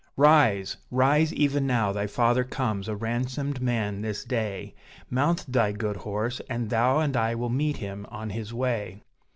"Rise, rise! even now thy father comes a ransomed man this day: Mount thy good horse, and thou and I will meet him on his way."